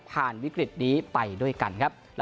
วิกฤตนี้ไปด้วยกันครับ